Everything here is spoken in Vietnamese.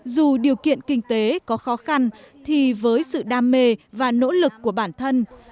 dù điều kiện kinh tế có khó khăn thì với sự đam mê và nỗ lực của bản thân